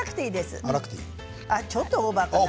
それだとちょっとオーバーかな？